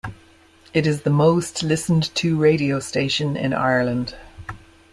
It is the most listened to radio station in Ireland.